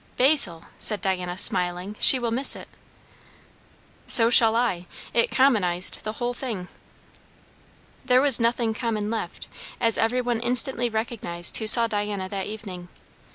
"Basil!" said Diana, smiling, "she will miss it." "So shall I. It commonized the whole thing." There was nothing common left, as every one instantly recognised who saw Diana that evening.